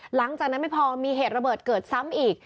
หลังจากนั้นไม่พอมีเหตุระเบิดเกิดซ้ำอีก